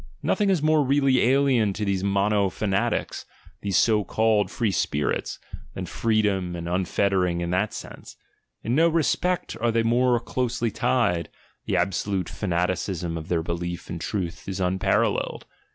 Nothing is more really alien to these "monofanatics," these so called "free spir its," than freedom and unfettering in that sense; in no pect are they more closely tied, the absolute fanaticism of their belief in truth is unparalleled.